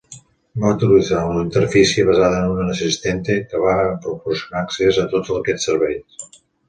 Va utilitzar una interfície basada en un Asistente que va proporcionar accés a tots aquests serveis.